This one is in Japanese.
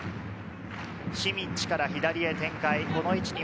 シミッチから左へ展開。